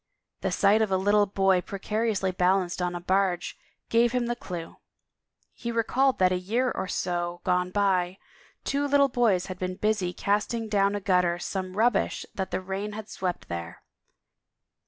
The sight of a little boy precariously balancing on a barge gave him the clue. ... He recalled that a year or so gone by, two little boys had been busy casting down a gutter some rubbish that the rain had swept there.